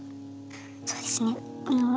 そうですねあの。